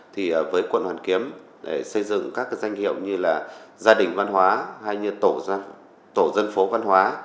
thì với quận hoàn kiếm để xây dựng các danh hiệu như là gia đình văn hóa hay như tổ dân phố văn hóa